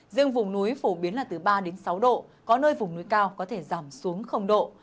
riêng vùng núi phổ biến là từ ba đến sáu độ có nơi vùng núi cao có thể giảm xuống độ